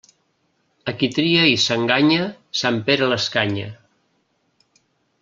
A qui tria i s'enganya, sant Pere l'escanya.